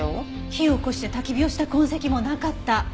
火をおこして焚き火をした痕跡もなかった。